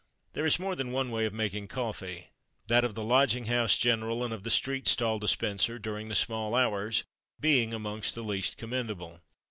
There is more than one way of making coffee, that of the lodging house "general," and of the street stall dispenser, during the small hours, being amongst the least commendable.